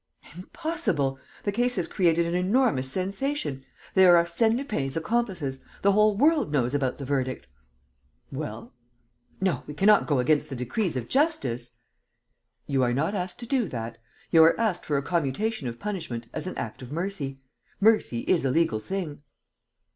"Impossible! The case has created an enormous sensation. They are Arsène Lupin's accomplices. The whole world knows about the verdict." "Well?" "Well, we cannot, no, we cannot go against the decrees of justice." "You are not asked to do that. You are asked for a commutation of punishment as an act of mercy. Mercy is a legal thing."